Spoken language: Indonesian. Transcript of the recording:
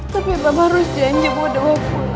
tapi papa harus janji mau dewa pulang